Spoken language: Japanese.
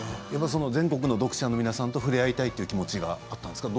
全国の読者の皆さんと触れ合いたいという気持ちがあったんですか？